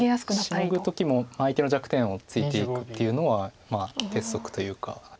シノぐ時も相手の弱点をついていくっていうのは鉄則というか。